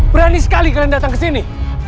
berani sekali kalian datang kesini